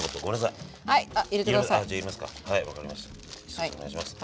先生お願いします。